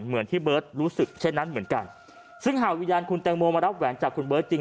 เหมือนที่เบิร์ตรู้สึกเช่นนั้นเหมือนกันซึ่งหากวิญญาณคุณแตงโมมารับแหวนจากคุณเบิร์ตจริง